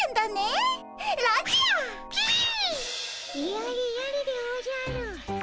・やれやれでおじゃる。